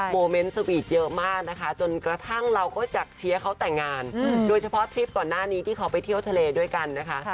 โมเมนต์สวีทเยอะมากนะคะจนกระทั่งเราก็จากเชียร์เขาแต่งงานโดยเฉพาะทริปก่อนหน้านี้ที่เขาไปเที่ยวทะเลด้วยกันนะคะ